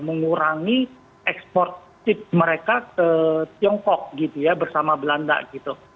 mengurangi ekspor chip mereka ke tiongkok gitu ya bersama belanda gitu